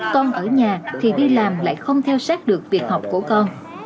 con ở nhà thì đi làm lại không theo sát được việc học của con